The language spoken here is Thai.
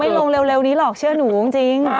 ลงเร็วนี้หรอกเชื่อหนูจริง